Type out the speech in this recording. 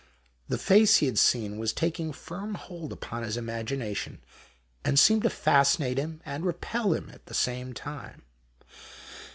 The face he had seen was taking firm hold upon his imagination, and seemed to fascinate him and repel him at the same time.